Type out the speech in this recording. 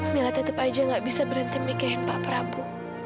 mira tetep aja gak bisa berhenti mikirin pak prabu